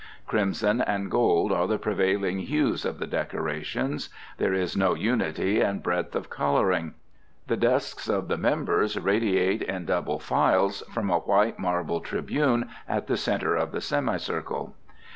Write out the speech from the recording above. Crimson and gold are the prevailing hues of the decorations. There is no unity and breadth of coloring. The desks of the members radiate in double files from a white marble tribune at the centre of the semicircle.